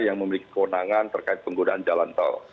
yang memiliki kewenangan terkait penggunaan jalan tol